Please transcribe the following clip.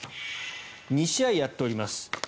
２試合やっております。